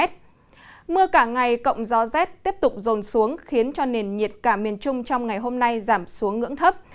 mưa cả ngày cộng gió rét tiếp tục rồn xuống khiến cho nền nhiệt cả miền trung trong ngày hôm nay giảm xuống ngưỡng thấp